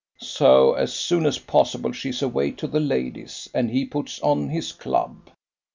So as soon as possible she's away to the ladies, and he puts on his Club.